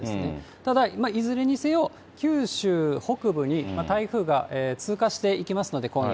ただ、いずれにせよ、九州北部に台風が通過していきますので、今夜。